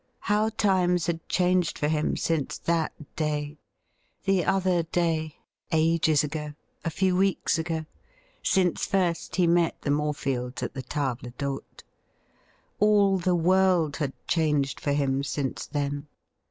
How times had changed for him since that day — the other day, ages ago, a few weeks ago — since first he met the Morefields at the table d''Mte! All the world had changed for him since then.